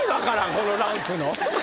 このランクの。